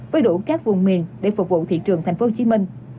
với đủ các vùng miền để phục vụ thị trường tp hcm